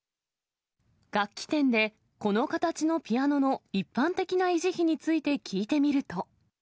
楽器店でこの形のピアノの一般的な維持費について聞いてみると。